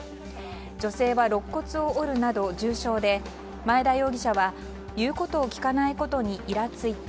女性は肋骨を折るなど重傷で前田容疑者は言うことを聞かないことにいらついた。